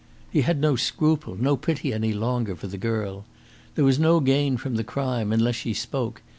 He had no scruple, no pity any longer for the girl. There was no gain from the crime unless she spoke.